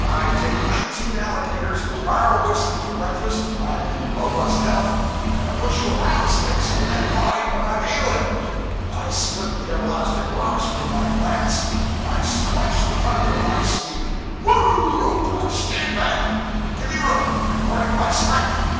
I take nineteen alligators and a bar'l of whiskey for breakfast when I'm in robust health, and a bushel of rattlesnakes and a dead body when I'm ailing! I split the everlasting rocks with my glance, and I squench the thunder when I speak! Whoo oop! Stand back and give me room according to my strength!